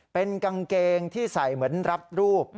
เป็นกางเกงที่ใส่เหมือนรับรูป